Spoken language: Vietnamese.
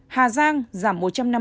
hà giang giảm một trăm năm mươi hai